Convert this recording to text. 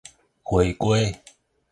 花瓜